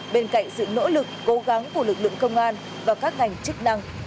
bên cạnh sự nỗ lực cố gắng của lực lượng công an và các ngành chức năng